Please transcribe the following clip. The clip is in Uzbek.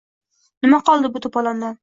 Nima qoldi bu to‘polondan